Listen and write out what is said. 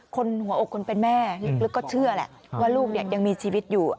คนหัวอกคนเป็นแม่ลึกก็เชื่อแหละว่าลูกยังมีชีวิตอยู่